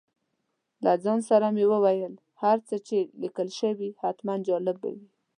له ځان سره مې وویل هر څه چې لیکل شوي حتماً جالب به وي.